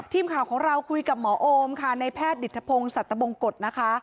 ทีมข่าวของเราคุยกับหมอโอมค่ะในแพทย์ดิตทพงศ์สัตบงกฎนะคะ